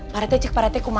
pak rete cek pak rete aku mau